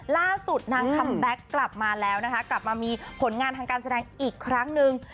ล่าสุดนางคัมแบ็คกลับมาแล้วนะคะกลับมามีผลงานทางการแสดงอีกครั้งหนึ่ง